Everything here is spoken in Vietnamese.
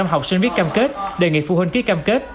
một trăm linh học sinh viết cam kết đề nghị phụ huynh ký cam kết